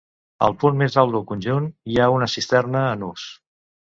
Al punt més alt del conjunt hi ha una cisterna, en ús.